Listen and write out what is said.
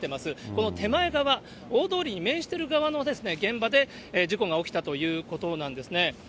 この手前側、大通りに面してる側の現場で、事故が起きたということなんですね。